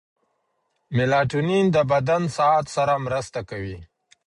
میلاټونین د بدن ساعت سره مرسته کوي.